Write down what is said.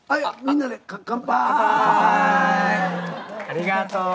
ありがとう。